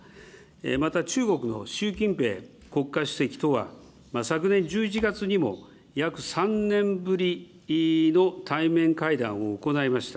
また中国の習近平国家主席とは、昨年１１月にも約３年ぶりの対面会談を行いました。